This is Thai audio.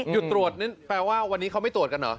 จุดตรวจนี่แปลว่าวันนี้เขาไม่ตรวจกันเหรอ